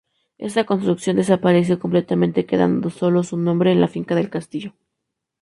Esta construcción desapareció completamente, quedando sólo su nombre en la Finca El Castillo.